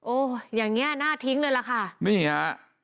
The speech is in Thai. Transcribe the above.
อย่างเงี้ยน่าทิ้งเลยล่ะค่ะนี่ฮะ